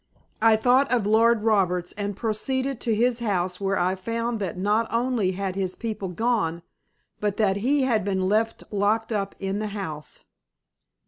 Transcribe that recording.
I thought of Lord Roberts and proceeded to his house where I found that not only had his people gone but that he had been left locked up in the house.